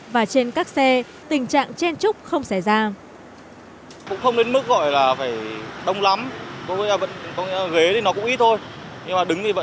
và trên các xe tình trạng chen trúc không xảy ra